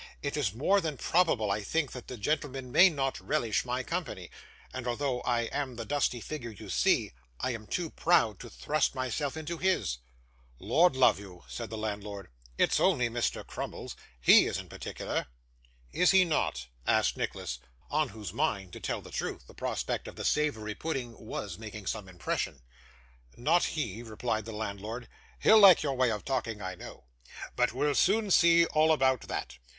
It is more than probable, I think, that the gentleman may not relish my company; and although I am the dusty figure you see, I am too proud to thrust myself into his.' 'Lord love you,' said the landlord, 'it's only Mr. Crummles; HE isn't particular.' 'Is he not?' asked Nicholas, on whose mind, to tell the truth, the prospect of the savoury pudding was making some impression. 'Not he,' replied the landlord. 'He'll like your way of talking, I know. But we'll soon see all about that.